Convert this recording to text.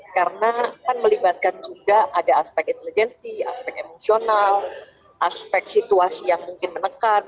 karena akan melibatkan juga ada aspek intelijensi aspek emosional aspek situasi yang mungkin menekan